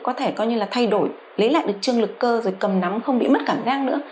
có thể coi như là thay đổi lấy lại được chương lực cơ rồi cầm nắm không bị mất cảm găng nữa